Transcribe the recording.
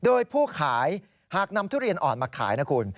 โดยผู้ขายหากนำทุเรียนอ่อนมาขายนะคุณ